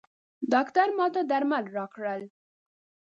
ډاکټر ماته درمل راکړل.